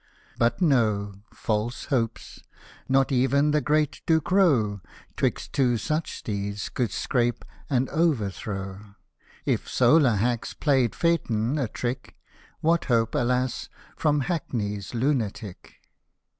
But no, false hopes — not even the great Ducrow 'Twixt two such steeds could 'scape an overthrow : \i solar hacks played Phaeton a trick. What hope, alas, from hackney's lunatic?